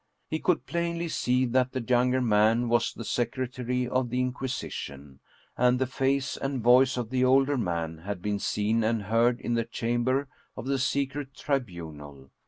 He could plainly see that the younger man was the Secretary of the Inquisition ; and the face and voice of the older man had been seen and heard in the Chamber of the Secret Tri bunal.